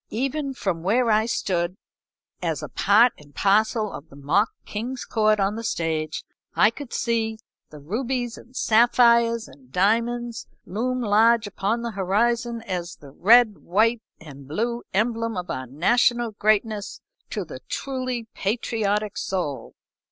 Even from where I stood, as a part and parcel of the mock king's court on the stage, I could see the rubies and sapphires and diamonds loom large upon the horizon as the read, white, and blue emblem of our national greatness to the truly patriotic soul.